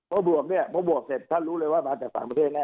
พอบวกเนี่ยพอบวกเสร็จท่านรู้เลยว่ามาจากต่างประเทศแน่